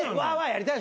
やりたい。